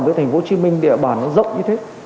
với thành phố hồ chí minh địa bàn nó rộng như thế